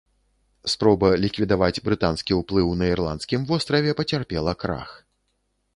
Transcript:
Спроба ліквідаваць брытанскі ўплыў на ірландскім востраве пацярпела крах.